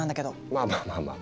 まあまあまあまあ。